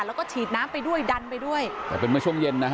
แล้วก็ฉีดน้ำไปด้วยดันไปด้วยแต่เป็นเมื่อช่วงเย็นนะฮะ